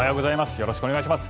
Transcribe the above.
よろしくお願いします。